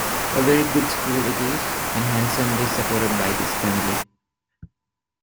A very good school it is, and handsomely supported by this family.